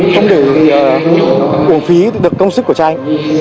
không để cuồng phí được công sức của trai